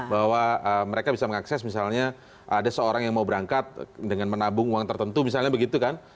bahwa mereka bisa mengakses misalnya ada seorang yang mau berangkat dengan menabung uang tertentu misalnya begitu kan